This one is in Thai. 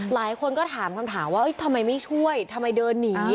หลายคนก็ถามคำถามว่าทำไมไม่ช่วยทำไมเดินหนี